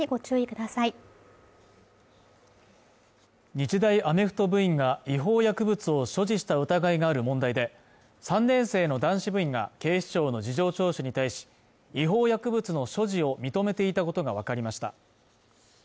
日大アメフト部員が違法薬物を所持した疑いがある問題で３年生の男子部員が警視庁の事情聴取に対し違法薬物の所持を認めていたことが分かりました